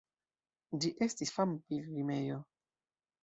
Ĝi estis fama pilgrimejo.